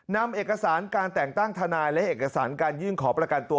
นำเอกสารการแต่งตั้งทนายและเอกสารการยื่นขอประกันตัว